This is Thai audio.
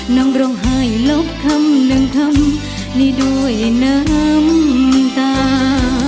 น้องร้องไห้ลบคำหนึ่งคำนี้ด้วยน้ำตา